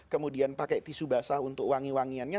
kemudian pakai tisu basah untuk wangi wangiannya